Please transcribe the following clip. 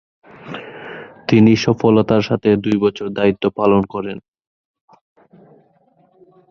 তিনি সফলতার সাথে দুই বছর দায়িত্ব পালন করেন।